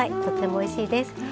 とってもおいしいです。